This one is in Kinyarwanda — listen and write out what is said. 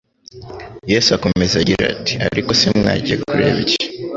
Yesu akomeza agira ati: "Ariko se mwagiye kureba iki ?